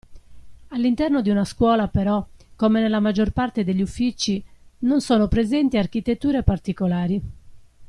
All'interno di una scuola però, come nella maggior parte degli uffici, non sono presenti architetture particolari.